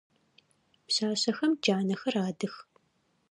Пшъашъэхэм джанэхэр адых.